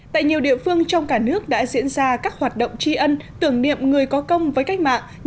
tại nhiều địa phương trong cả nước đã diễn ra các hoạt động tri ân tưởng niệm người có công với cách mạng